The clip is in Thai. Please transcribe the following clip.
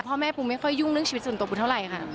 พ่อแม่ปูไม่ค่อยยุ่งเรื่องชีวิตส่วนตัวปูเท่าไหร่ค่ะ